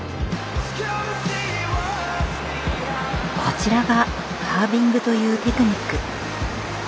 こちらがカービングというテクニック。